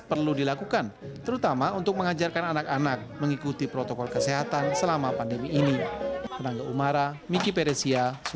perlu dilakukan terutama untuk mengajarkan anak anak mengikuti protokol kesehatan selama pandemi ini